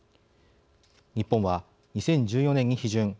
日本は２０１４年に批准。